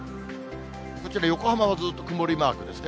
こちら、横浜はずっと曇りマークですね。